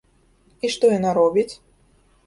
І што яна робіць?